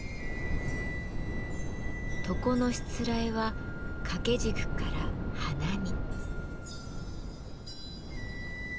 床のしつらえは掛け軸から花に。